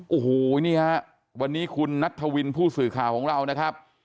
โอ้โหนี่ฮะวันนี้คุณนัทธวินผู้สื่อข่าวของเรานะครับ